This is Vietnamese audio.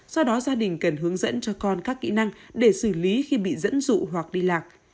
do đó gia đình cần hướng dẫn cho con các kỹ năng để xử lý khi bị dẫn dụ hoặc đi lạc